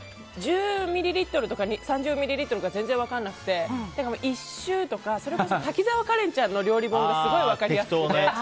１０ミリリットルとか３０ミリリットルが全然分からなくて、１周とかそれこそ滝沢カレンちゃんの料理本がすごい分かりやすくて。